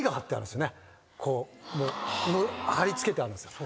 貼り付けてあるんですよ。